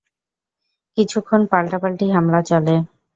কিছুক্ষণ পাল্টা-পাল্টি হামলা চলে।